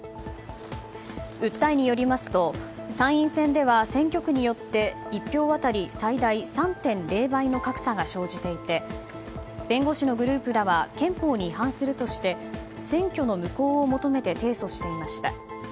訴えによりますと参院選では選挙区によって１票当たり最大３．０３倍の格差が生じていて弁護士のグループらは憲法に違反するとして選挙の無効を求めて提訴していました。